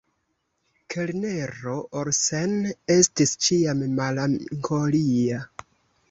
Kelnero Olsen estis ĉiam melankolia.